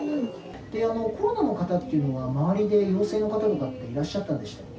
コロナの方っていうのは、周りで陽性の方とかっていらっしゃったんでしたっけ？